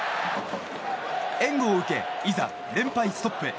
援護を受けいざ、連敗ストップへ。